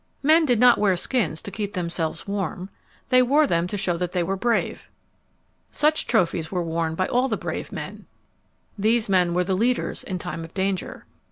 Men did not wear skins to keep themselves warm. They wore them to show that they were brave. Such trophies were worn by all the brave men. These men were the leaders in time of danger.